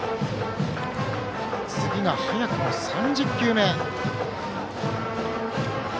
次が早くも３０球目。